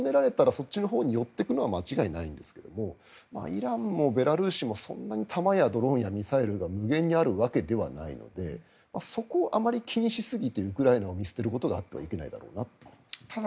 そっちのほうに寄っていくのは間違いないんですがイランもベラルーシもそんなに弾やドローンやミサイルが無限にあるわけではないのでそこをあまり気にしすぎてウクライナを見捨てることがあってはいけないだろうと思います。